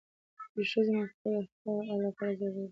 د ښځې موافقه د خلع لپاره ضروري ده.